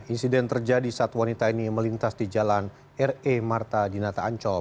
insiden terjadi saat wanita ini melintas di jalan re marta dinata ancol